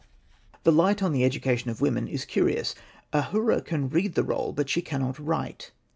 The light on the education of women is curious. Ahura can read the roll, but she cannot write.